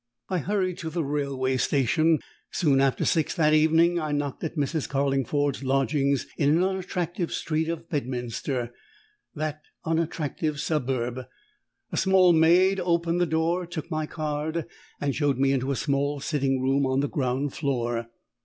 I hurried to the railway station. Soon after six that evening I knocked at Mrs. Carlingford's lodgings in an unattractive street of Bedminster, that unattractive suburb. A small maid opened the door, took my card, and showed me into a small sitting room on the ground floor.